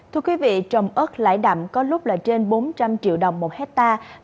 thưa quý vị trồng ớt lãi đậm có lúc là trên bốn trăm linh triệu đồng một hectare